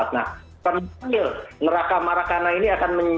nah penuh kegilaan neraka maracana ini akan menyebabkan